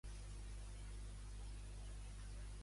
Brown la va preparar físicament Mr.